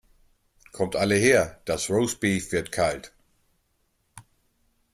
Kommt alle her, das Roastbeef wird kalt!